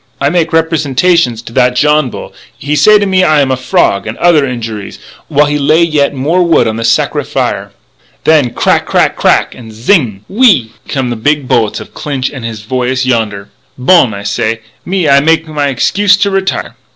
"I make representations to that Johnbull; he say to me that I am a frog, and other injuries, while he lay yet more wood on his sacré fire. "Then crack! crack! crack! and zing gg! whee ee! come the big bullets of Clinch and his voyous yonder. "'Bon,' I say, 'me, I make my excuse to retire.'